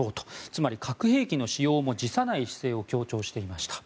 つまり核兵器の使用も辞さない姿勢を強調していました。